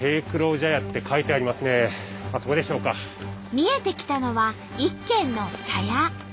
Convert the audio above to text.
見えてきたのは一軒の茶屋。